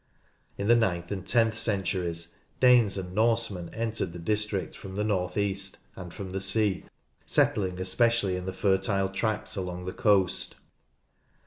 In the ninth and tenth centuries Danes and Norsemen entered the district from the north east, and from the sea, settling especially in the fertile tracts along the coast.